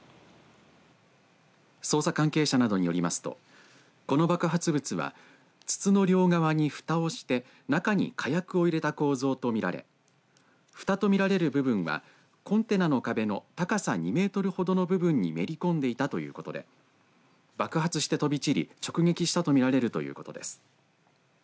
捜査関係者などによりますとこの爆発物は筒の両側にふたをして中に火薬を入れた構造と見られふたと見られる部分はコンテナの壁の高さ２メートルほどの部分にめり込んでいたということで爆発して飛び散り直撃したと見られるということです。